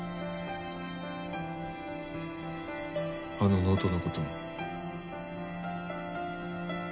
あのノートの事も。